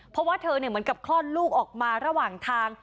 เพราะว่าเธอเหมือนกับคลอดลูกออกมาระหว่างทาง